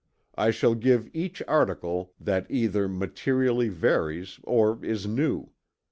I shall give each article that either materially varies or is new.